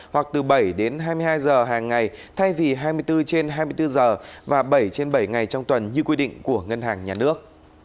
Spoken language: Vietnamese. hoặc từ bảy đến hai mươi hai giờ hàng ngày thay vì hai mươi bốn trên hai mươi bốn giờ và bảy trên bảy ngày trong tuần như quy định của ngân hàng nhà nước